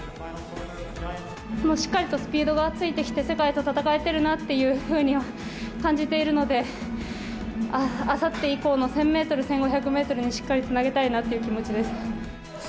しっかりとスピードはついてきて、世界と戦えてるなっていうふうには感じているので、あさって以降の１０００メートル、１５００メートルにしっかりつなげたいなという気持ちです。